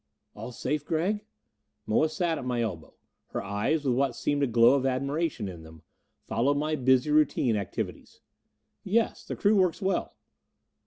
"All safe, Gregg?" Moa sat at my elbow; her eyes, with what seemed a glow of admiration in them, followed my busy routine activities. "Yes. The crew works well."